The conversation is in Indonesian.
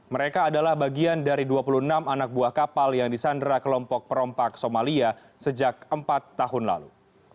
mereka adalah bagian dari dua puluh enam anak buah kapal yang disandra kelompok perompak somalia sejak empat tahun lalu